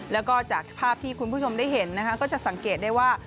แล้วก็จากภาพที่คุณผู้ชมได้เห็นนะคะก็จะสังเกตได้ว่า